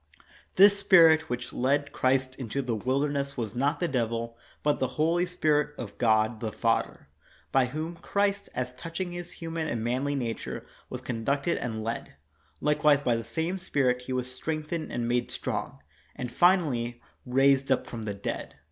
This Spirit which led Christ into the wilder ness was not the devil, but the holy Spirit of God 27 THE WORLD'S FAMOUS ORATIONS the Father, by whom Christ, as touching His human and manly nature, was conducted and led ; likewise by the same Spirit He was strength ened and made strong, and, finally, raised up from the dead.